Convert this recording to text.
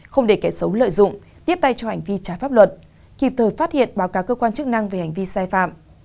không để kẻ xấu lợi dụng tiếp tay cho hành vi trái pháp luật kịp thời phát hiện báo cáo cơ quan chức năng về hành vi sai phạm